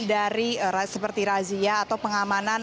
dari seperti razia atau pengamanan